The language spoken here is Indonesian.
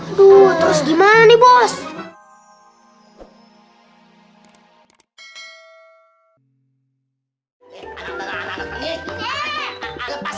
aduh terus gimana nih bos